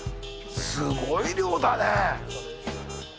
すごい量だね。